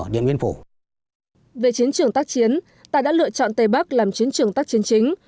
về chiến trường tác chiến ta đã lựa chọn tây bắc làm chiến trường tác chiến chính